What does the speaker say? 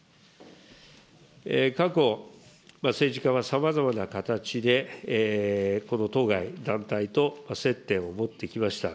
過去、政治家はさまざまな形で、この当該団体と接点を持ってきました。